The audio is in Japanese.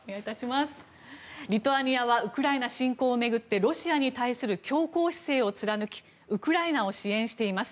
リトアニアはウクライナ侵攻を巡ってロシアに対する強硬姿勢を貫きウクライナを支援しています。